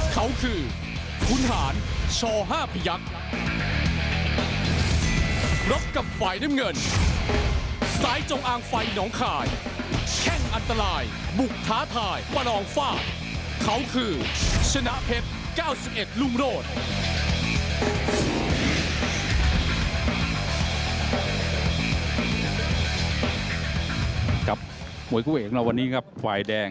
กับมวยกุ้งเอกเราวันนี้ครับไฟล์แดง